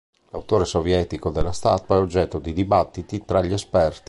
L'autore sovietico della statua è oggetto di dibattiti tra gli esperti.